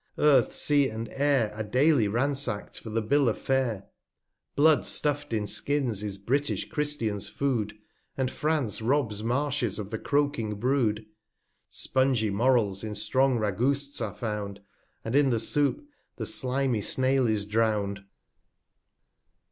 (Earth, Sea, and Air Are daily ransack'd for the Bill of Fare. 200 Blood stufFd in Skins is British Christian's Food, And France robs Marshes of the croaking Brood ; Spungy More/Is in strong Ragousts are found, And in the Soupe the slimy Snail is drown'd.